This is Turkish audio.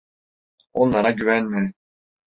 Onlara güvenme.